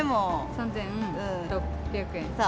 ３６００円？